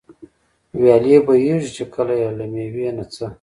ويالې بهېږي، چي كله ئې له مېوې نه څه